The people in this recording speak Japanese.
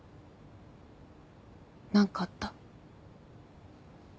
何かあった？